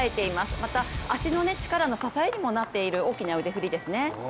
また、足の力の支えにもなっている大きな腕振りですね。